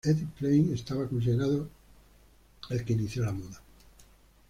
Eddie Plein, está considerado el que inició la moda.